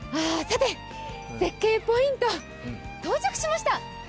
絶景ポイント到着しました。